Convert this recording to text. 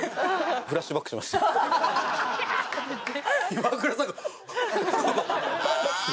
イワクラさんが。